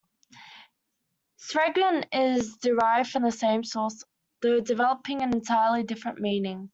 "Sergeant" is derived from the same source, though developing an entirely different meaning.